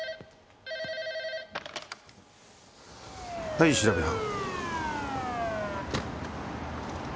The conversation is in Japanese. はい調べ班。